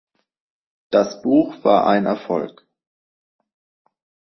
Das Buch war ein Erfolg.